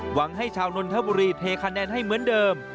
หวังให้ชาวนนทบุรีเทคะแนนให้เหมือนเดิม